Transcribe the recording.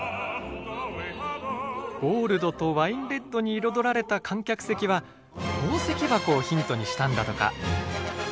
ゴールドとワインレッドに彩られた観客席は宝石箱をヒントにしたんだとか。